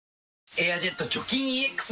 「エアジェット除菌ＥＸ」